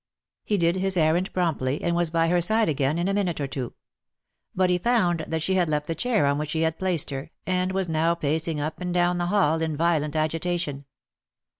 He did his errand promptly, and was by her side again 358 THE LIFE AND ADVENTURES in a minute or two ; but he found that she had left the chair on which he had placed her, and was now pacing up and down the hall in violent agitation.